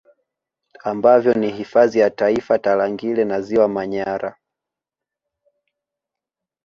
Ambavyo ni Hifadhi ya Taifa ya Tarangire na Ziwa Manyara